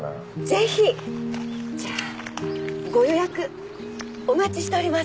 ぜひ！じゃあご予約お待ちしております。